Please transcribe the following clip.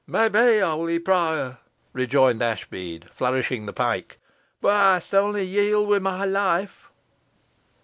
"Mey be, 'oly prior," rejoined Ashbead, flourishing the pike: "boh ey'st ony yield wi' loife."